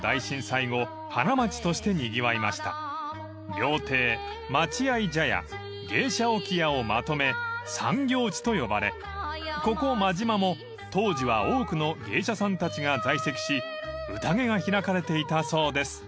［料亭待合茶屋芸者置屋をまとめ三業地と呼ばれここまじまも当時は多くの芸者さんたちが在籍し宴が開かれていたそうです］